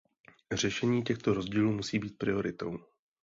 Řešení těchto rozdílů musí být prioritou.